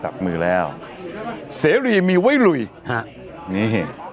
จับมือแล้วเสรีมีไว้ลุยฮะนี่